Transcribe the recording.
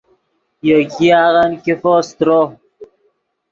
یو ګیاغن ګیفو سترو